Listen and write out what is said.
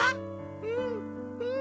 うんうん。